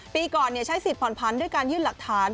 ปีก่อนใช้สิทธิผ่อนพันธุ์ด้วยการยื่นหลักฐาน